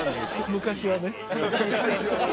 昔はね